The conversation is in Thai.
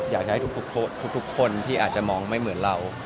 อยากให้ทุกคนที่อาจจะมองไม่เหมือนเรา